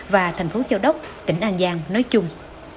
và thành phố châu đốc tỉnh an giang nói chung